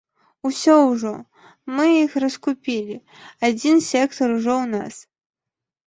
Усё ўжо, мы іх раскупілі, адзін сектар ужо ў нас!